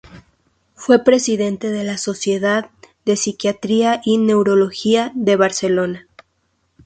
Fue presidente de la Sociedad de Psiquiatría y Neurología de Barcelona.